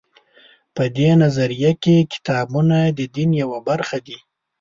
په دې نظریه کې کتابونه د دین یوه برخه دي.